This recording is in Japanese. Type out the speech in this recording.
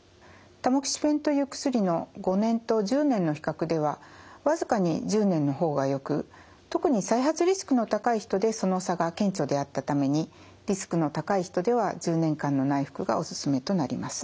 タモキシフェンという薬の５年と１０年の比較では僅かに１０年の方がよく特に再発リスクの高い人でその差が顕著であったためにリスクの高い人では１０年間の内服がお勧めとなります。